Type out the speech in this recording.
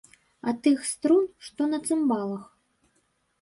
А тых струн, што на цымбалах.